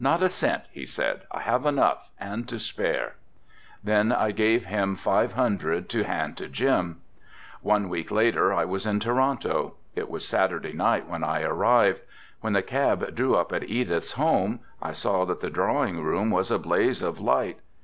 "Not a cent," he said, "I have enough and to spare." Then I gave him five hundred to hand to Jim. One week later I was in Toronto. It was Saturday night when I arrived. When the cab drew up at Edith's home I saw that the drawing room was a blaze of light.